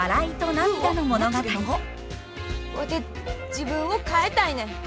ワテ自分を変えたいねん。